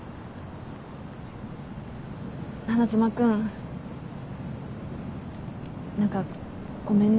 花妻君何かごめんね。